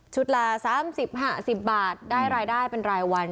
ละ๓๐๕๐บาทได้รายได้เป็นรายวัน